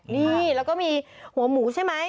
นี่แล้วก็มีหัวหมูใช่ไหม